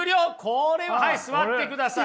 これははい座ってください。